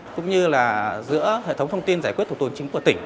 cũng như là giữa hệ thống thông tin giải quyết thủ tục hành chính của tỉnh